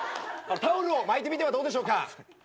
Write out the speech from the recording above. タオルを巻いてみてはどうでしょうか？